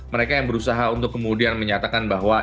mereka yang berusaha untuk kemudian menyatakan bahwa